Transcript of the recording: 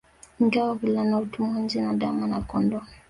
Ingawa wavulana hutumwa nje na ndama na kondooo